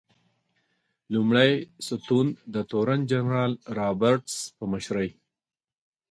لومړی ستون د تورن جنرال رابرټس په مشرۍ.